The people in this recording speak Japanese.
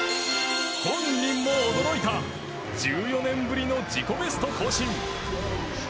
本人も驚いた１４年ぶりの自己ベスト更新。